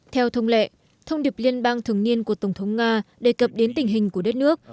theo thông lệ thông điệp liên bang thường niên của tổng thống nga đề cập đến tình hình của đất nước